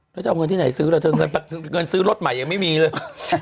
แล้วจะเอาเงินที่ไหนซื้อล่ะเธอเงินซื้อรถใหม่ยังไม่มีเลย